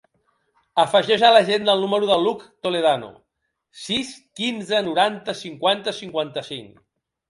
Afegeix a l'agenda el número de l'Hug Toledano: sis, quinze, noranta, cinquanta, cinquanta-cinc.